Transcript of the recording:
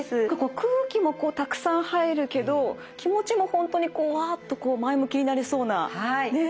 空気もこうたくさん入るけど気持ちも本当にこうわっとこう前向きになれそうな。